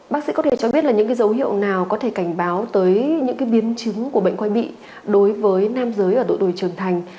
bác sĩ có thể cho biết những dấu hiệu nào có thể cảnh báo tới những biến chứng của bệnh quai bị đối với nam giới ở đội trưởng thành